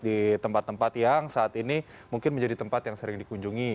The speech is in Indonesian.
di tempat tempat yang saat ini mungkin menjadi tempat yang sering dikunjungi